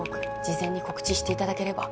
「事前に告知していただければ」